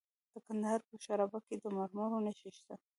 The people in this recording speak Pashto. د کندهار په شورابک کې د مرمرو نښې شته.